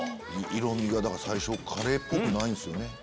色みが最初カレーっぽくないですよね。